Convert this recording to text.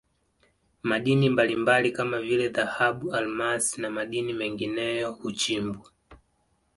madini mbalimbali kama vile dhahabu almasi na madini mengineyo huchimbwa